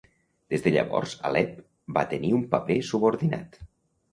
Des de llavors Alep va tenir un paper subordinat.